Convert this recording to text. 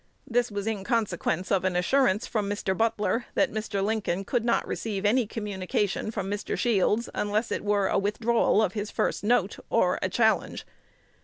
This was in consequence of an assurance from Mr. Butler that Mr. Lincoln could not receive any communication from Mr. Shields, unless it were a withdrawal of his first note, or a challenge.